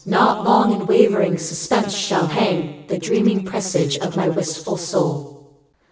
Not long in wavering suspense shall hang The dreaming presage of my wistful soul.